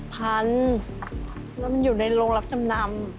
เพราะว่ามันอยู่ในโรงของหลักจำนำ